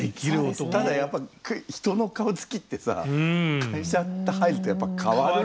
ただやっぱ人の顔つきってさ会社って入るとやっぱ変わるんだねって。